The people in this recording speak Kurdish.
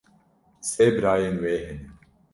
Sê birayên wê hene.